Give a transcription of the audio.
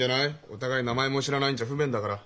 お互い名前も知らないんじゃ不便だから。